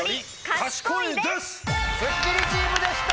『スッキリ』チームでした。